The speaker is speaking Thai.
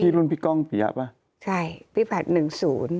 รุ่นพี่ก้องปียะป่ะใช่พี่ผัดหนึ่งศูนย์